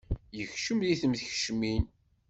Yekcem deg temkecmin.